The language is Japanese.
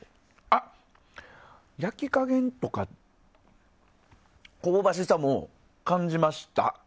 あっ、焼き加減とか香ばしさも感じました。